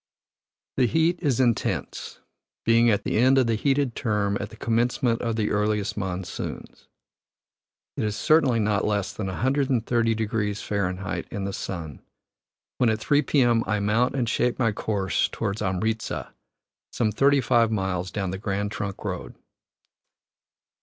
The heat is intense, being at the end of the heated term at the commencement of the earliest monsoons. It is certainly not less than 130 deg. Fahr., in the sun, when at 3 p.m. I mount and shape my course toward Amritza, some thirty five miles down the Grand Trunk Road.